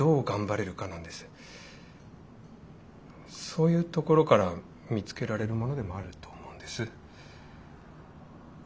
そういうところから見つけられるものでもあると思うんです。